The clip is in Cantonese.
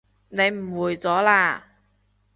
你誤會咗喇